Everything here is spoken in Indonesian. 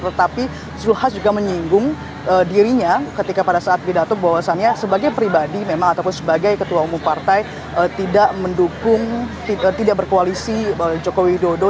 tetapi zulkifli hasan juga menyinggung dirinya ketika pada saat pidato bahwasannya sebagai pribadi memang ataupun sebagai ketua umum partai tidak mendukung tidak berkoalisi jokowi dodo